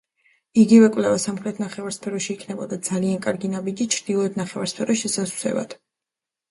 იგივე კვლევა სამხრეთ ნახევარსფეროში იქნებოდა ძალიან კარგი ნაბიჯი ჩრდილოეთ ნახევარსფეროს შესავსებად.